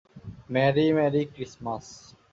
Mary, merry Christmas!